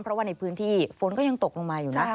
เพราะว่าในพื้นที่ฝนก็ยังตกลงมาอยู่นะ